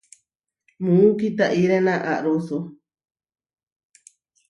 Muú kitáʼirena aaróso.